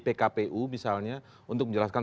pkpu misalnya untuk menjelaskan